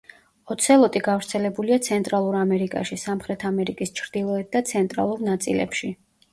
ოცელოტი გავრცელებულია ცენტრალურ ამერიკაში, სამხრეთ ამერიკის ჩრდილოეთ და ცენტრალურ ნაწილებში.